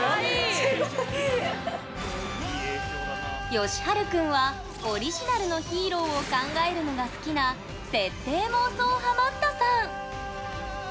よしはる君はオリジナルのヒーローを考えるのが好きな設定妄想ハマったさん。